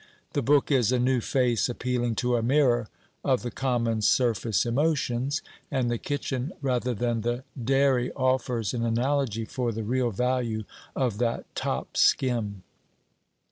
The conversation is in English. The book is a new face appealing to a mirror of the common surface emotions; and the kitchen rather than the dairy offers an analogy for the real value of that "top skim."